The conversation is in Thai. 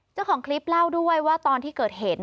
เจ้าของคลิปเล่าด้วยว่าตอนที่เกิดเหตุ